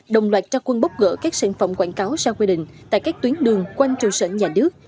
đồng loạt tra quân bốc gỡ các sản phẩm quảng cáo xa quy định tại các tuyến đường quanh trường sở nhà nước